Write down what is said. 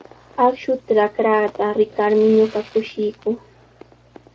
Akshu trakraata rikarmi ñuqa kushikuu.